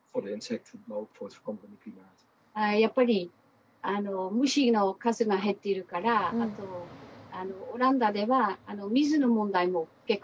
やっぱり虫の数が減っているからあとオランダでは水の問題も結構ありますね。